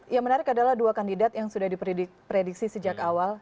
yang menarik adalah dua kandidat yang sudah diprediksi sejak awal